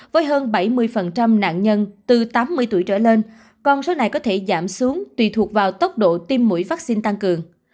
với hơn bảy mươi nạn nhân từ tám mươi tuổi trở lên con số này có thể giảm xuống tùy thuộc vào tốc độ tiêm mũi vaccine tăng cường